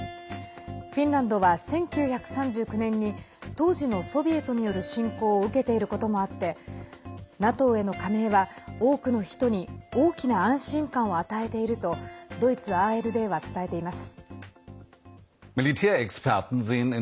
フィンランドは１９３９年に当時のソビエトによる侵攻を受けていることもあってＮＡＴＯへの加盟は、多くの人に大きな安心感を与えているとドイツＡＲＤは伝えています。